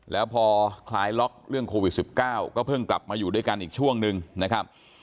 แล้วพอคลายล็อกเรื่องโควิด๑๙ก็เพิ่งกลับมาอยู่ด้วยกันอีกช่วงหนึ่งนะครับ